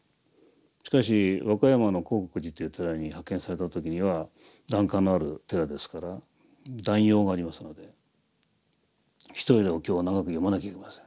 しかし和歌山の興国寺という寺に派遣された時には檀家のある寺ですから檀用がありますので１人でお経を長く読まなきゃいけません。